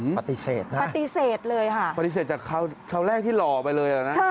ปฏิเสธนะครับปฏิเสธเลยค่ะปฏิเสธจากครั้วแรกที่หล่อไปเลยหรือเปล่านะ